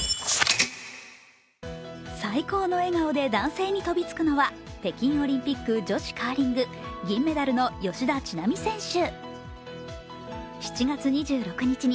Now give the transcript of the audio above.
最高の笑顔で男性に飛びつくのは北京オリンピック女子カーリング銀メダルの吉田知那美選手。